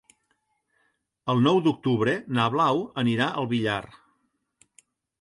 El nou d'octubre na Blau anirà al Villar.